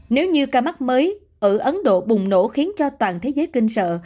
nếu như ca mắc mới ở ấn độ bùng nổ khiến cho toàn thế giới kinh sợ